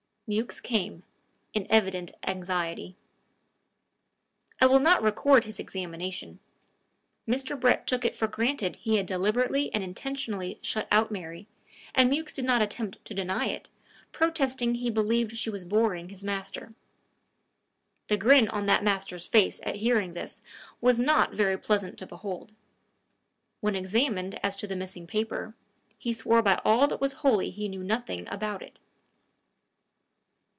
Mewks came, in evident anxiety. I will not record his examination. Mr. Brett took it for granted he had deliberately and intentionally shut out Mary, and Mewks did not attempt to deny it, protesting he believed she was boring his master. The grin on that master's face at hearing this was not very pleasant to behold. When examined as to the missing paper, he swore by all that was holy he knew nothing about it.